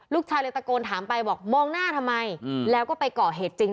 ลูกชายเลยตะโกนถามไปบอกมองหน้าทำไมแล้วก็ไปก่อเหตุจริง